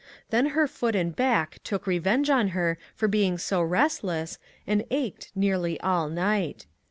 Then her foot and back took revenge on her for being so rest less, and ached nearly all night.